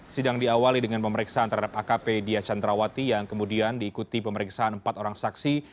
sidang diawali dengan pemeriksaan terhadap akp diah chandrawati yang kemudian diikuti pemeriksaan empat orang saksi